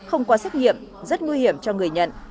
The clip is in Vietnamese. không qua xét nghiệm rất nguy hiểm cho người nhận